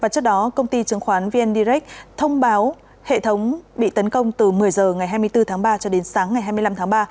trước đó công ty chứng khoán vn direct thông báo hệ thống bị tấn công từ một mươi h ngày hai mươi bốn tháng ba cho đến sáng ngày hai mươi năm tháng ba